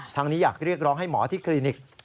นี้อยากเรียกร้องให้หมอที่คลินิก